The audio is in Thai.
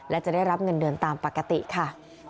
และจะได้รับเงินเดือนตามปกติค่ะ